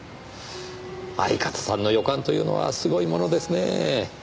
相方さんの予感というのはすごいものですねぇ。